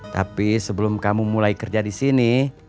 tapi sebelum kamu mulai kerja di sini